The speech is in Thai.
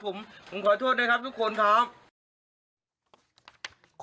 ผมขอโทษนะครับทุกคนครับ